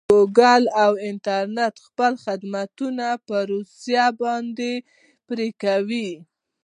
ګوګل او انټرنټ خپل خدمات په روسې باندې پري کوي.